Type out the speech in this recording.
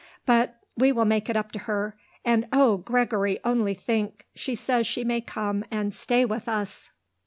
But we will make it up to her. And oh! Gregory, only think, she says she may come and stay with us."